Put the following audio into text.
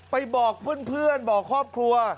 ไปบอกเพื่อนบอกครอบครัว